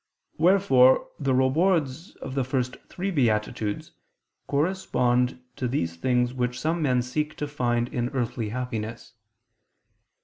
Wherefore the rewards of the first three beatitudes correspond to these things which some men seek to find in earthly happiness.